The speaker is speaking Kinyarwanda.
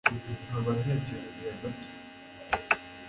nkaba ntekereza gato